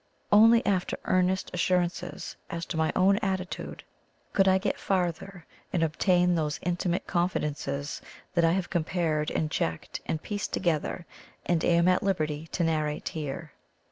Only after earnest assurances as to my own attitude could I get farther and obtain those intimate confidences that I have compared and checked and pieced together and am at liberty to narrate here.